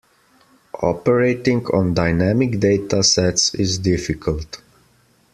Operating on dynamic data sets is difficult.